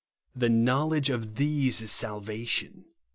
The knowledge of these is salvation.